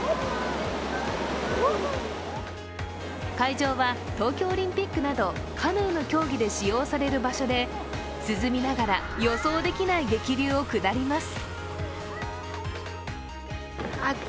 会場は東京オリンピックなどカヌーの競技で使用される場所で涼みながら予想できない激流を下ります。